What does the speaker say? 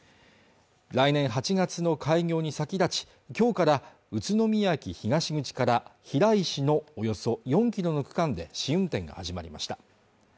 来年８月の開業に先立ちきょうから宇都宮駅東口から平石のおよそ４キロの区間で試運転が始まりました